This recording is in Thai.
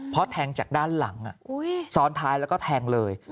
เพราะแทงจากด้านหลังซ้อนท้ายแล้วก็แทงเลย